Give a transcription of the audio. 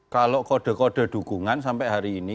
kalau kode kode dukungan sampai hari ini